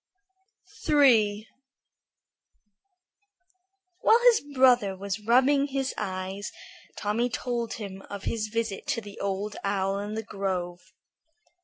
III While his brother was rubbing his eyes Tommy told him of his visit to the Old Owl in the grove.